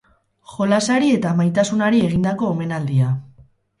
Jolasari eta maitasunari egindako omenaldia.